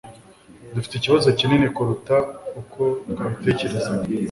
Dufite ikibazo kinini kuruta uko twabitekerezaga.